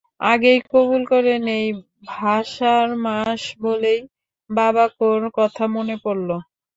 আগেই কবুল করে নিই, ভাষার মাস বলেই বাবাকোর কথা মনে পড়ল।